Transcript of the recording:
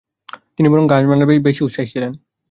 তিনি বরং গান-বাজনায় বেশি উৎসাহী ছিলেন।